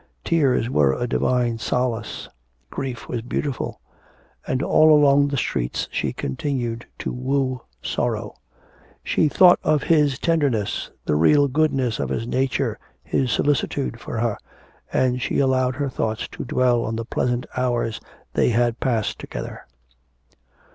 Tears were a divine solace, grief was beautiful. And all along the streets she continued to woo sorrow she thought of his tenderness, the real goodness of his nature, his solicitude for her, and she allowed her thoughts to dwell on the pleasant hours they had passed together.